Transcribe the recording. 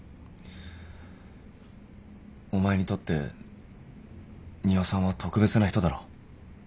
お前にとって仁和さんは特別な人だろ。